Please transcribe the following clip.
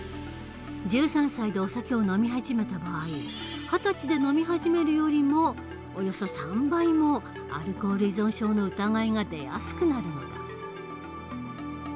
１３歳でお酒を飲み始めた場合二十歳で飲み始めるよりもおよそ３倍もアルコール依存症の疑いが出やすくなるのだ。